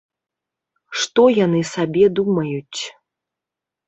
Што яны сабе думаюць?